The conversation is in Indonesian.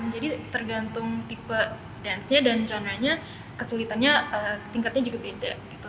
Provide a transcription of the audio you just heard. jadi tergantung tipe dan dan genre nya kesulitannya tingkatnya juga beda gitu